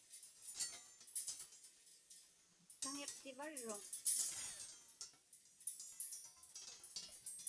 Kaŋiqsivarruŋ?